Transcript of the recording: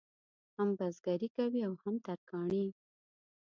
هم بزګري کوي او هم ترکاڼي.